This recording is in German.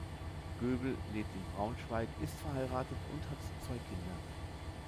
Göbel lebt in Braunschweig, ist verheiratet und hat zwei Kinder.